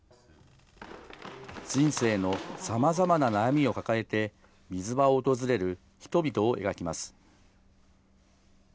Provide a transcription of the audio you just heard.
人生のさまざまな悩みを抱えて水場を訪れる人々を描きます。